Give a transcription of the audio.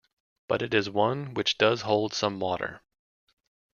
But it is one which does hold some water.